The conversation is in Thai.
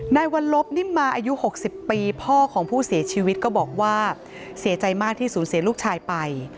วันลบนิ่มมาอายุ๖๐ปีพ่อของผู้เสียชีวิตก็บอกว่าเสียใจมากที่สูญเสียลูกชายไป